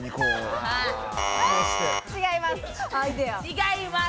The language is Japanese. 違います。